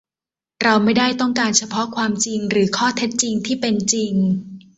เราไม่ได้ต้องการเฉพาะความจริง หรือข้อเท็จจริงที่เป็นจริง